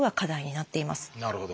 なるほど。